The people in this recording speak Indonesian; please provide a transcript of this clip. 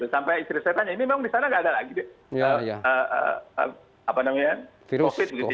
sampai istri saya tanya ini memang di sana tidak ada lagi virus covid sembilan belas